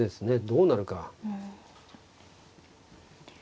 どうなるか。